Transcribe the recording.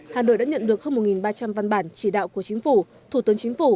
hà nội đã nhận được hơn một ba trăm linh văn bản chỉ đạo của chính phủ thủ tướng chính phủ